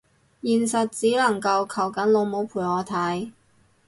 現實只能夠求緊老母陪我睇